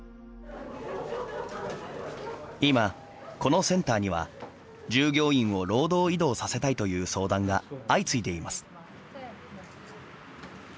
今、このセンターには従業員を労働移動させたいという相談が相次いでいます。